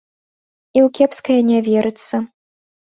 І ў кепскае не верыцца.